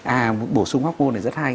à bổ sung học môn này rất hay